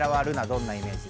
どんなイメージ？